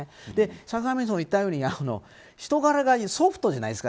坂上さんが言ったように人柄がソフトじゃないですか。